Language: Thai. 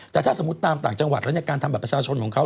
แต่ถ้าสมมุติตามต่างจังหวัดแล้วการทำบัตรประชาชนของเขา